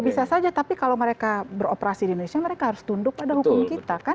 bisa saja tapi kalau mereka beroperasi di indonesia mereka harus tunduk pada hukum kita kan